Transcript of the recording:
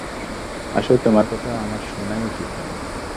আসলে তোমার কথা আমার শোনাই উচিৎ হয় নি।